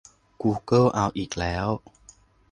กูเกิลเอาอีกแล้ว !